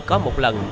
có một lần